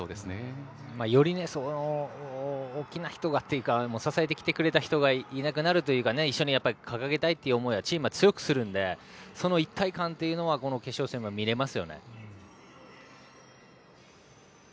より大きな人がというか支えてくれた人がいなくなるというか一緒に掲げたいという思いをチームを強くするのでその一体感というのはこの決勝戦では見られますよね。